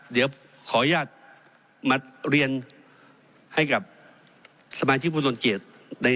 เดี๋ยวขออนุญาตมาเรียนให้กับสมาชิกผู้ทรงเกียจ